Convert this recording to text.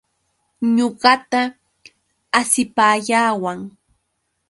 Ñuqata asipayawan.